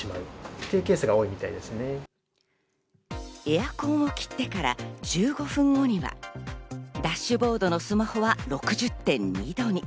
エアコンを切ってから１５分後にはダッシュボードのスマホは６０．２度に。